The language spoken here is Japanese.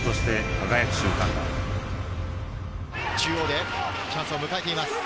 中央でチャンスを迎えています。